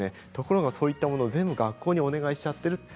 ところがそういったところを学校にお願いしてしまっている。